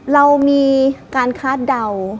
เรามีการคาดเดา